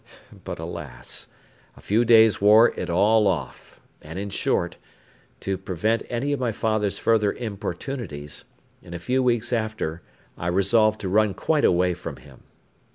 But alas! a few days wore it all off; and, in short, to prevent any of my father's further importunities, in a few weeks after I resolved to run quite away from him.